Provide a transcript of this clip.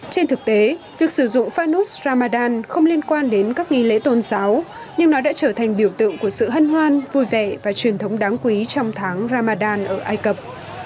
trên thực tế việc sử dụng fanus ramadan không liên quan đến các nghi lễ tôn giáo nhưng nó đã trở thành biểu tượng của sự hân hoan vui vẻ và truyền thống đáng quý trong tháng ramadan ở ai cập